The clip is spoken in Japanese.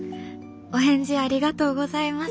お返事ありがとうございます。